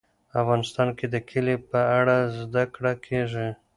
افغانستان کې د کلي په اړه زده کړه کېږي.